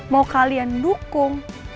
mau kalian dukung